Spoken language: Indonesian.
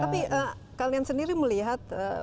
tapi kalian sendiri melihat